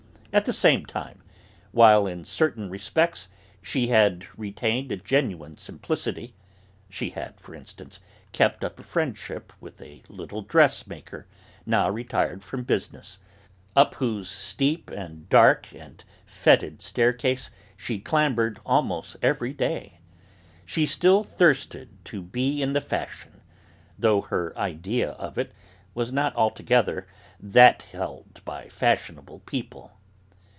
At the same time, while in certain respects she had retained a genuine simplicity (she had, for instance, kept up a friendship with a little dressmaker, now retired from business, up whose steep and dark and fetid staircase she clambered almost every day), she still thirsted to be in the fashion, though her idea of it was not altogether that held by fashionable people.